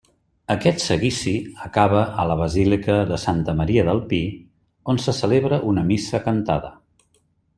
Aquest seguici acaba a la basílica de Santa Maria del Pi on se celebra una missa cantada.